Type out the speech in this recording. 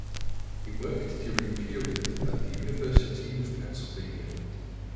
He worked during period at the University of Pennsylvania.